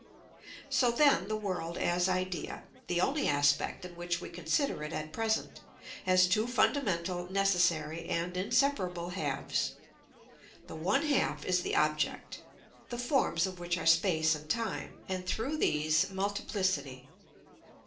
So then the world as idea, the only aspect in which we consider it at present, has two fundamental, necessary, and inseparable halves. The one half is the object, the forms of which are space and time, and through these multiplicity.